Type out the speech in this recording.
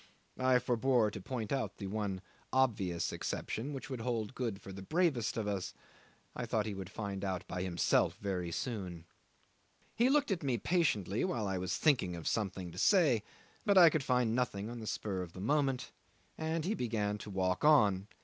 I forbore to point out the one obvious exception which would hold good for the bravest of us; I thought he would find out by himself very soon. He looked at me patiently while I was thinking of something to say, but I could find nothing on the spur of the moment, and he began to walk on.